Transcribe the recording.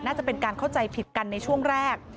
น่าจะเป็นการเข้าใจผิดกันในช่วงแรก